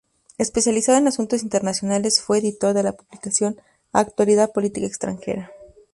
Especializado en asuntos internacionales, fue editor de la publicación" Actualidad Política Extranjera".